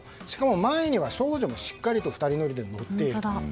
しかも前には少女もしっかり２人乗りで乗っている。